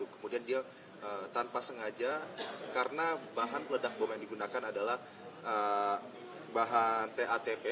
kemudian dia tanpa sengaja karena bahan peledak bom yang digunakan adalah bahan tatp